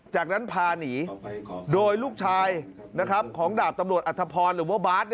จากนั้นพาหนีโดยลูกชายของดาบตำรวจอัธพรหรือว่าบาร์ด